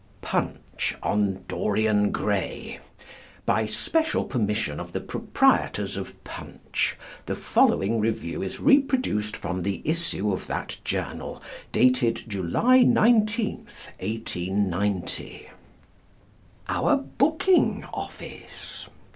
"_ PUNCH on "DORIAN GRAY." By special permission of the Proprietors of Punch the following review is reproduced from the issue of that journal dated July 19th, 1890. OUR BOOKING OFFICE.